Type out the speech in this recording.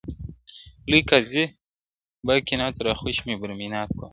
لوى قاضي به گيند را خوشي پر ميدان كړ-